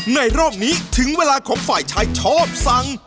รอบนี้ถึงเวลาของฝ่ายชายชอบสั่ง